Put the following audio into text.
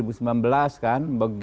begitu banyak informasi